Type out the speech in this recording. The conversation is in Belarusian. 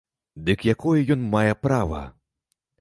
Дык якое ён мае права?